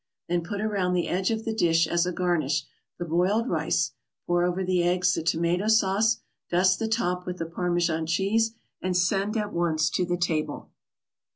Then put around the edge of the dish as a garnish the boiled rice, pour over the eggs the tomato sauce, dust the top with the Parmesan cheese and send at once to the table.